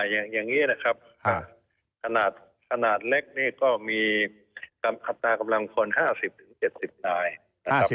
อย่างนี้นะครับขนาดเล็กนี่ก็มีคำสามารถกำลังคน๕๐ถึง๗๐ได้